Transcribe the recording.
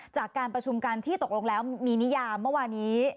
จากการประชุมกันที่ตกลงแล้วมีนิยามเมื่อวานี้